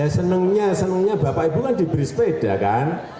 senangnya senangnya bapak ibu kan diberi sepeda kan